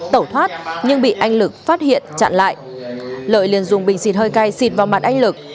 tẩu thoát nhưng bị anh lực phát hiện chặn lại lợi liền dùng bình xịt hơi cay xịt vào mặt anh lực